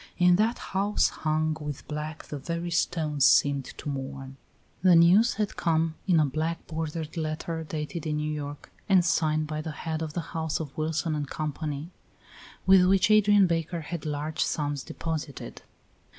In that house hung with black the very stones seemed to mourn. The news had come in a black bordered letter dated in New York and signed by the head of the house of Wilson and Company, with which Adrian Baker had large sums deposited.